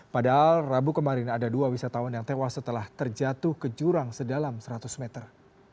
padahal rabu kemarin ada dua wisatawan yang tewas setelah terjatuh ke jurang sedalam seratus meter